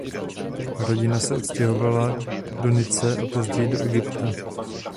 Rodina se odstěhovala do Nice a později do Egypta.